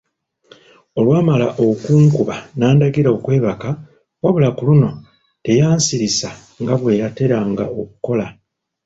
Olwamala okunkuba n'andagira okwebaka wabula ku luno teyansirisa nga bwe yateranga okukola.